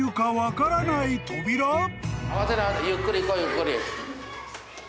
慌てないゆっくり行こうゆっくり。